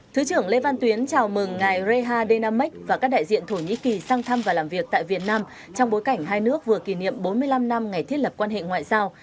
thứ trưởng lê văn tuyến chào mừng ngài reha dynamics và các đại diện thổ nhĩ kỳ sang thăm và làm việc tại việt nam trong bối cảnh hai nước vừa kỷ niệm bốn mươi năm năm ngày thiết lập quan hệ ngoại giao